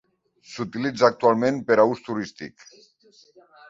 S'utilitza actualment per a ús turístic.